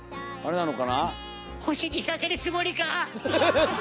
星にさせるつもりか⁉いや違う。